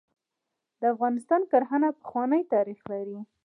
د افغانستان کرهڼه پخوانی تاریخ لري .